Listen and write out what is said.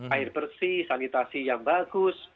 air bersih sanitasi yang bagus